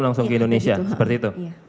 langsung ke indonesia seperti itu